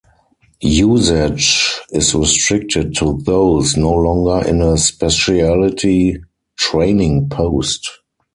Usage is restricted to those no longer in a Specialty Training post.